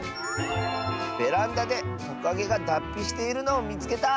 「ベランダでトカゲがだっぴしているのをみつけた！」。